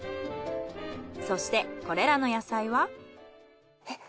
そしてこれらの野菜は。